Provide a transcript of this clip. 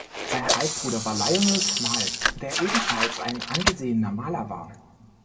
Sein Halbbruder war Lionel Smythe, der ebenfalls ein angesehener Maler war.